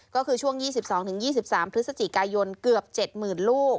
ก็คือช่วง๒๒๒๓พฤศจิกายนเกือบ๗๐๐๐ลูก